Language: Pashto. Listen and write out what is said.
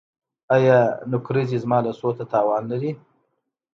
ایا نکریزې زما لاسونو ته تاوان لري؟